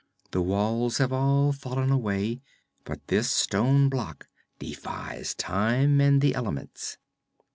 The walls have all fallen away, but this stone block defies time and the elements.'